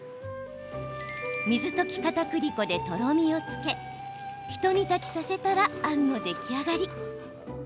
水溶きかたくり粉でとろみをつけひと煮立ちさせたらあんの出来上がり。